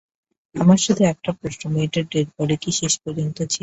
আমার শুধু একটা প্রশ্ন, মেয়েটার ডেডবডি কি শেষ পর্যন্ত ছিল?